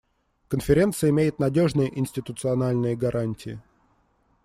Конференция имеет надежные институциональные гарантии.